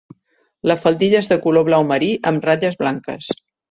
La faldilla és de color blau marí amb ratlles blanques.